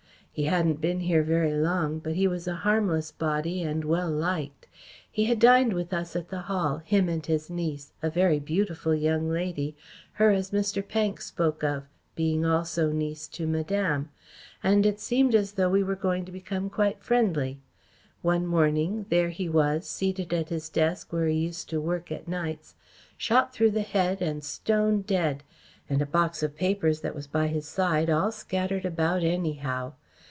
He hadn't been here very long, but he was a harmless body and well liked. He had dined with us at the Hall him and his niece, a very beautiful young lady her as Mr. Pank spoke of, being also niece to Madame and it seemed as though we were going to become quite friendly. One morning there he was seated at his desk where he used to work at nights shot through the head and stone dead, and a box of papers that was by his side all scattered about anyhow.